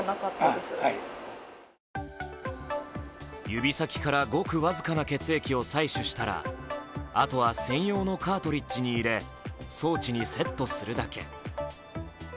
指先からごく僅かな血液を採取したらあとは専用のカートリッジに入れ装置にセットするだけ。